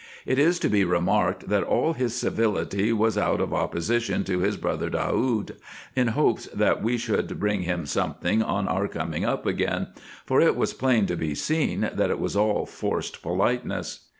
It is to be remarked, that all his civility was out of opposition to his brother Daoud, in hopes that we should bring him something on our coming up again ; for it was plain to be seen, that it was all forced politeness.